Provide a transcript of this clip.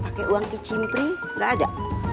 pakai uang kicimpri nggak ada